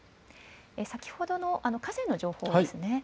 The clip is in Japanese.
先ほどの河川の情報ですね。